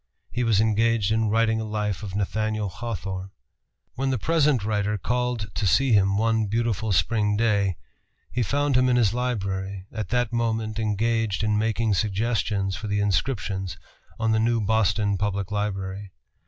He was engaged in writing a life of Nathaniel Hawthorne. When the present writer call to see him one beautiful spring day, he found him in his library, at that moment engaged in making suggestions for the inscriptions on the new Boston Public Library.